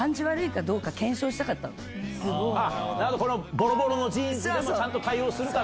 ボロボロのジーンズでもちゃんと対応するか。